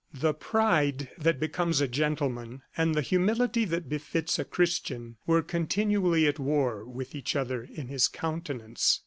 The pride that becomes a gentleman, and the humility that befits a Christian, were continually at war with each other in his countenance.